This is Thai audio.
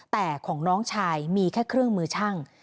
แต่ของน้องชายมีแค่เครื่องมือช่าง